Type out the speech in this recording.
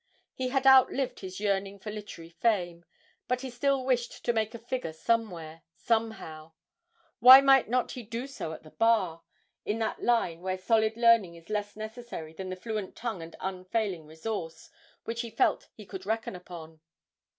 He had outlived his yearning for literary fame, but he still wished to make a figure somewhere, somehow why might not he do so at the Bar, in that line where solid learning is less necessary than the fluent tongue and unfailing resource, which he felt he could reckon upon.